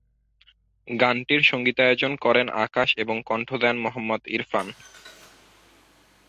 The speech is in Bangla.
গানটির সংগীতায়োজন করেন আকাশ এবং কন্ঠ দেন মোহাম্মদ ইরফান।